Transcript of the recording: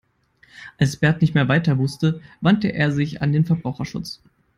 Als Bert nicht mehr weiter wusste, wandte er sich an den Verbraucherschutz.